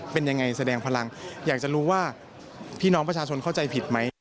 เป็นยังไงแสดงพลังอยากจะรู้ว่าพี่น้องประชาชนเข้าใจผิดไหม